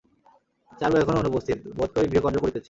চারু এখনো অনুপস্থিত, বোধ করি গৃহকার্য করিতেছে।